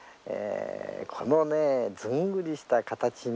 このずんぐりした形ね。